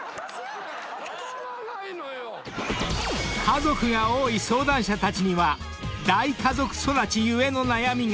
［家族が多い相談者たちには大家族育ち故の悩みが］